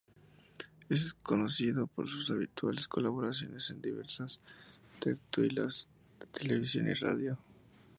Es conocido por sus habituales colaboraciones en diversas tertulias de televisión y radio.